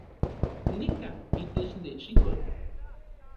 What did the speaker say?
Nika itech nechikol